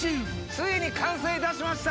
ついに完成いたしました！